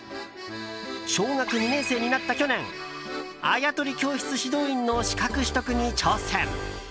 小学２年生になった去年あやとり教室指導員の資格取得に挑戦！